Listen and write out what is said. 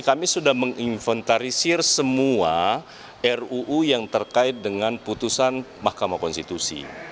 kami sudah menginventarisir semua ruu yang terkait dengan putusan mahkamah konstitusi